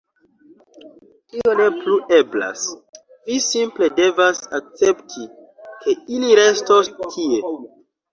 Tio ne plu eblas. Vi simple devas akcepti, ke ili restos tie.